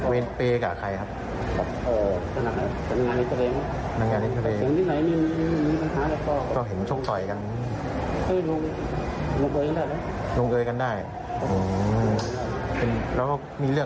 เวรเปย์กับใครครับ